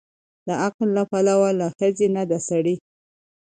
د عقل له پلوه له ښځې نه د سړي